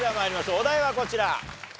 お題はこちら。